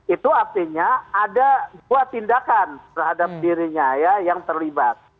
itu artinya ada dua tindakan terhadap dirinya ya yang terlibat